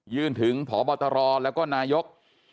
ยื่นถึงหบตและกนายก